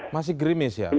masih grimis ya